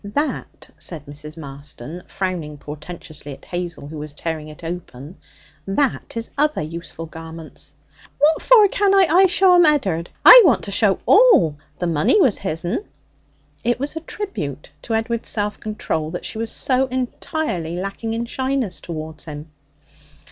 'That,' said Mrs. Marston, frowning portentously at Hazel, who was tearing it open 'that is other useful garments.' 'What for canna I show 'em Ed'ard? I want to show all. The money was his'n.' It was a tribute to Edward's self control that she was so entirely lacking in shyness towards him.